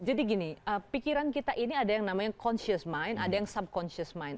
jadi gini pikiran kita ini ada yang namanya conscious mind ada yang subconscious mind